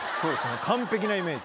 完璧なイメージ。